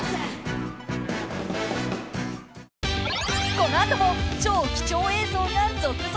［この後も超貴重映像が続々］